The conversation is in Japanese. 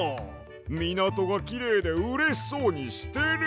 みなとがきれいでうれしそうにしてる！